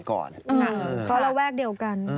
เพราะระแวกเดียวกัน